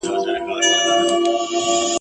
یا د شپې یا به سبا بیرته پیدا سو ..